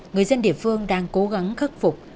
người dân địa phương đang cố gắng khắc phục